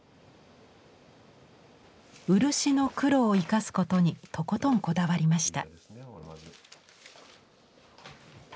漆の黒を生かすことにとことんこだわりました。